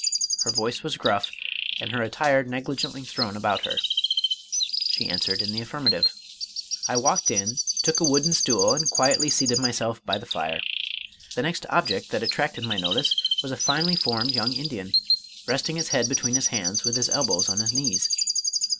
Her voice was gruff, and her attire negligently thrown about her. She answered in the affirmative. I walked in, took a wooden stool, and quietly seated myself by the fire. The next object that attracted my notice was a finely formed young Indian, resting his head between his hands, with his elbows on his knees.